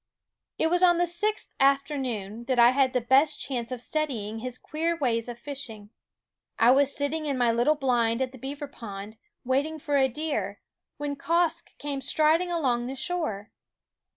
It was on the sixth afternoon that I had the best chance of studying his queer ways of fishing. I was sitting in my little blind at the beaver pond, waiting for a deer, when Quoskh came striding along the shore.